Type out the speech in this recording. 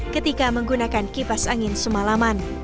ketika menggunakan kipas angin semalaman